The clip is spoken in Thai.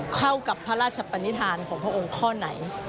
เข้ากับพระราชปนิษฐานของพระองค์ข้อไหน